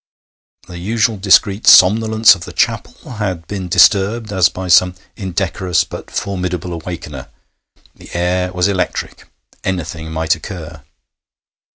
The usual discreet somnolence of the chapel had been disturbed as by some indecorous but formidable awakener; the air was electric; anything might occur.